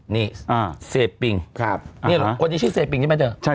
นี่เซปปิงคนนี้ชื่อเซปปิงใช่ไหมเจ้า